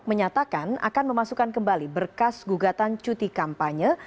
menyatakan akan memasukkan kembali berkas gugatan cuti kampanye